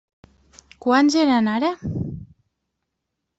Quants eren ara?